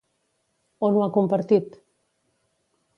On ho ha compartit?